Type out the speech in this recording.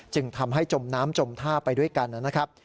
จึงทำให้จมน้ำจมท่าไปด้วยกันนะครับ